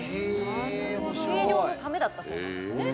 軽量のためだったそうなんですよね。